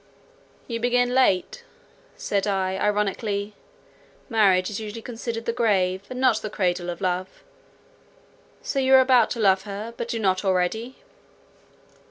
"You begin late," said I, ironically, "marriage is usually considered the grave, and not the cradle of love. So you are about to love her, but do not already?"